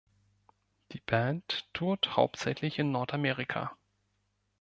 Die Band tourt hauptsächlich in Nordamerika.